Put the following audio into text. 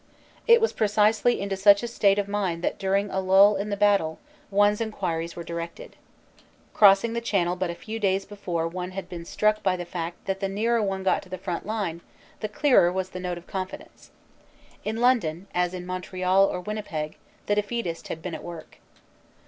It was precisely into such a state of mind that during a lull in the battle one s enquiries were directed. Crossing the Channel but a few days before one had been struck by the fact that the nearer one got to the front line, the clearer was the note of confidence. In London as in Montreal or Winnipeg the defeatist had been at work.